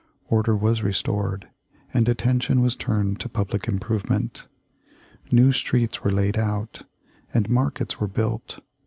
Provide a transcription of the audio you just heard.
Order was restored, and attention was turned to public improvement. New streets were laid out, and markets were built.